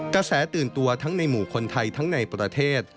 กระแสตื่นตัวทั้งในหมู่คนไทยทั้งในประเทศ